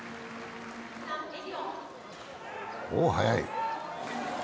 おお、速い。